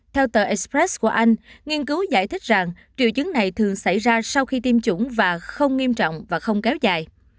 theo tờ express của anh nghiên cứu giải thích rằng triệu chứng này thường xảy ra sau khi tiêm chủng và không nghiêm trọng và không kéo dài